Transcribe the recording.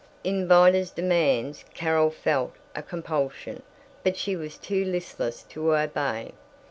In Vida's demands Carol felt a compulsion, but she was too listless to obey.